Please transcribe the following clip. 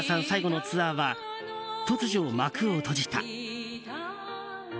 最後のツアーは突如、幕を閉じた。